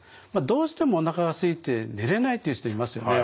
どうしてもおなかがすいて寝れないっていう人いますよね。